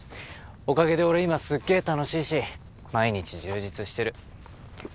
おかげで俺今すげぇ楽しいし毎日充実してる。